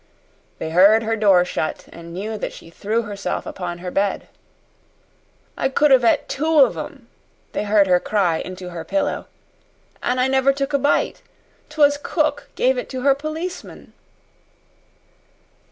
They heard her door shut, and knew that she threw herself upon her bed. "I could 'ave e't two of 'em," they heard her cry into her pillow. "An' I never took a bite. 'Twas cook give it to her policeman."